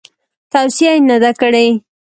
توصیه یې نه ده کړې.